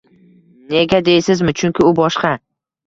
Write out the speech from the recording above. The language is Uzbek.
Nega deysizmi, chunki u boshqa.